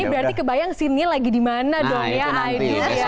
ini berarti kebayang sini lagi di mana dong ya aydu